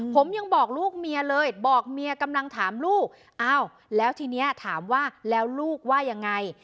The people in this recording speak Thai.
ผมยังบอกลูกเมียเลยบอกเมียกำลังถามลูกอ้าวแล้วทีนี้ถามว่าแล้วลูกว่ายังไง